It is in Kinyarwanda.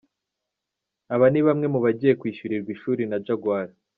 Aba ni bamwe mu bagiye kwishyurirwa ishuri na Jaguar.